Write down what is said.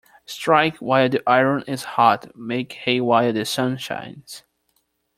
Strike while the iron is hot Make hay while the sun shines.